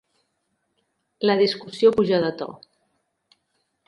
La discussió puja de to.